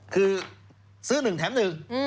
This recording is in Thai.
คือซื้อหนึ่งแถมหนึ่ง